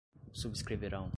Subscreverão